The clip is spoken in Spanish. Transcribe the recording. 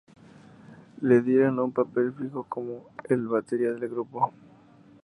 Le dieron un papel fijo como el batería del grupo.